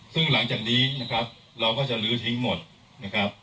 ซึ่งหลังจากนี้นะครับเราก็จะลื้อทิ้งหมดนะครับ